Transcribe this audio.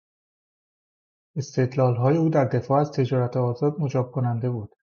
استدلالهای او در دفاع از تجارت آزاد مجاب کننده بود.